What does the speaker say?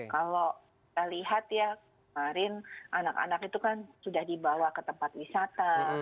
kalau kita lihat ya kemarin anak anak itu kan sudah dibawa ke tempat wisata